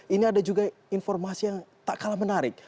ini ada juga informasi yang tak kalah menarik